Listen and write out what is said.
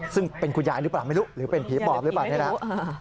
ซึ่งเป็นคุณยายรึเปล่าไม่รู้รึเป็นผีบอบรึเปล่า